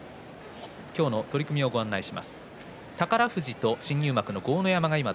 今日の取組をご案内します。